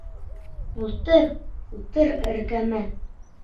Ултыр, ултыр эргәмә.